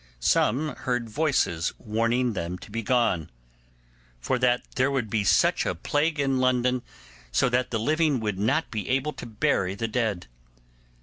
Some heard voices warning them to be gone, for that there would be such a plague in London, so that the living would not be able to bury the dead.